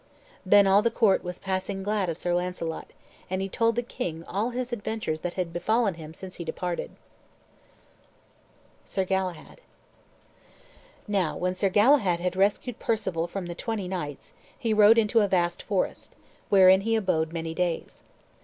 Then all the court was passing glad of Sir Launcelot; and he told the king all his adventures that had befallen him since he departed. SIR GALAHAD Now, when Sir Galahad had rescued Perceval from the twenty knights, he rode into a vast forest, wherein he abode many days.